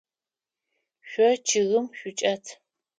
Шъо чъыгым шъучӏэт.